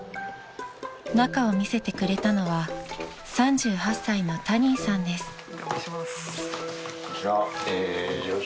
［中を見せてくれたのは３８歳のタニーさんです］